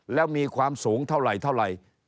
แล้วมีความสูงเท่าไหร่